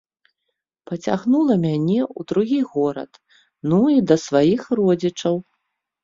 Пацягнула мяне ў другі горад, ну і да сваіх родзічаў.